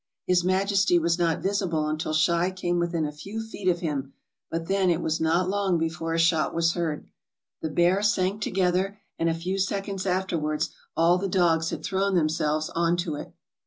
His Majesty was not visible until Schei came within a few feet of him, but then it was not long before a shot was heard. The bear sank together, and a few seconds afterwards all the dogs had thrown themselves on to it.